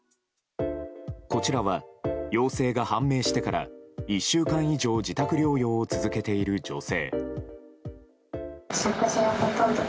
こちらは陽性が判明してから１週間以上自宅療養を続けている女性。